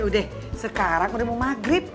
udah sekarang udah mau maghrib